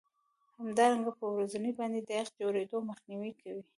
همدارنګه په وزرونو باندې د یخ د جوړیدو مخنیوی کوي